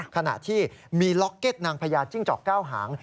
ขณะที่มีล็อกเก็ตนางพญาจิ้งจอกเก้าหาง